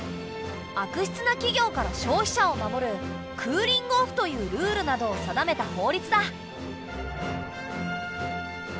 悪質な企業から消費者を守る「クーリングオフ」というルールなどを定めた法律だ。